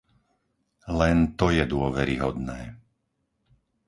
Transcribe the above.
Len to je dôveryhodné.